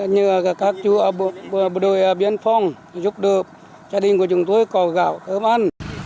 nhờ các chú bộ đội biên phòng giúp đỡ gia đình của chúng tôi có gạo thơm ăn